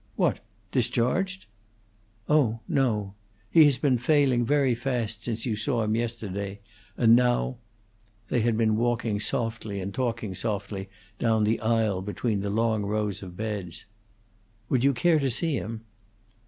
"What! Discharged?" "Oh no. He has been failing very fast since you saw him yesterday, and now " They had been walking softly and talking softly down the aisle between the long rows of beds. "Would you care to see him?"